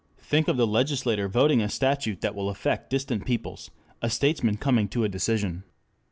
Think of the legislator voting a statute that will affect distant peoples, a statesman coming to a decision.